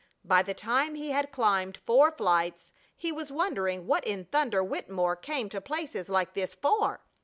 By the time he had climbed four flights he was wondering what in thunder Wittemore came to places like this for?